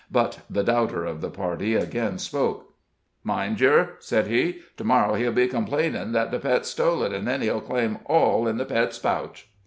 But the doubter of the party again spoke: "Mind yer," said he, "to morrow he'll be complainin' that the Pet stole it, an' then he'll claim all in the Pet's pouch."